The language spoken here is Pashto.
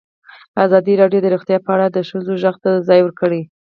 ازادي راډیو د روغتیا په اړه د ښځو غږ ته ځای ورکړی.